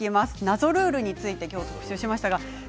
謎ルールについて今日、特集しました。